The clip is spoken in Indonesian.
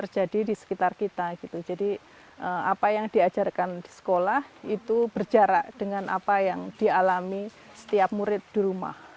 jadi di sekitar kita apa yang diajarkan di sekolah itu berjarak dengan apa yang dialami setiap murid di rumah